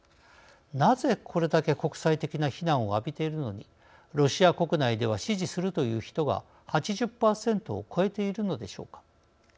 なぜ、これだけ国際的な非難を浴びているのにロシア国内では支持するという人が８０％を超えているのでしょうか。